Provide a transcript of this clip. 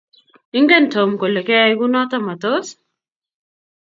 Ingen Tom kole keyay kunoto matos?